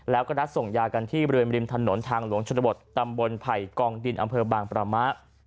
แล้วก็นัดส่งยากันที่บริเวณริมถนนทางหลวงชนบทตำบลไผ่กองดินอำเภอบางประมะ